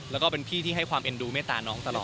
แล้วก็เป็นพี่ที่ให้ความเอ็นดูเมตตาน้องตลอด